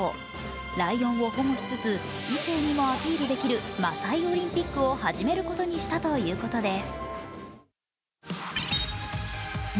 ライオンを保護しつつ、異性にもアピールできるマサイ・オリンピックを始めることにしたということです。